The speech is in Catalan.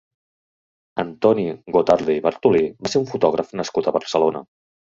Antoni Gotarde i Bartolí va ser un fotògraf nascut a Barcelona.